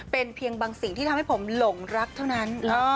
เป็นเพียงบางสิ่งที่ทำให้ผมหลงรักเท่านั้น